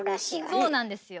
そうなんですよ。